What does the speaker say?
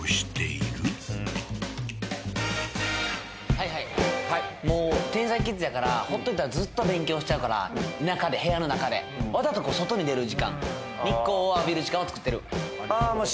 はいはいはい天才キッズやから放っといたらずっと勉強しちゃうから中で部屋の中でわざと外に出る時間日光を浴びる時間を作ってるああーまあ